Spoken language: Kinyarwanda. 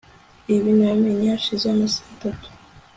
Ibi nabimenye hashize amasaha atatu